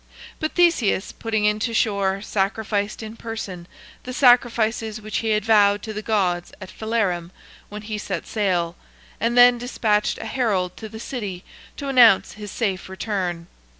But Theseus, putting in to shore, sacrificed in person the sacrifices which he had vowed to the gods at Phalerum when he set sail, and then dispatched a herald to the city to announce his safe return.